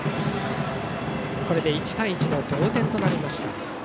これで１対１の同点となりました。